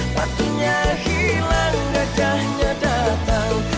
patuhnya hilang gajahnya datang